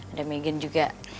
ada megan juga